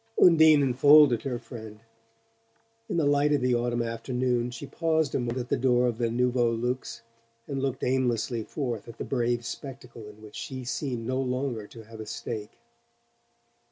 Undine enfolded her friend. In the light of the autumn afternoon she paused a moment at the door of the Nouveau Luxe, and looked aimlessly forth at the brave spectacle in which she seemed no longer to have a stake.